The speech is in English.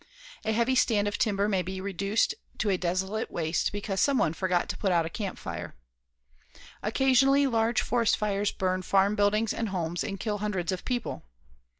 A heavy stand of timber may be reduced to a desolate waste because some one forgot to put out a campfire. Occasionally large forest fires burn farm buildings and homes and kill hundreds of people.